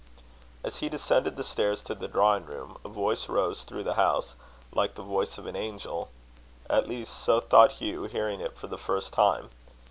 As he descended the stairs to the drawing room, a voice rose through the house, like the voice of an angel. At least so thought Hugh, hearing it for the first time.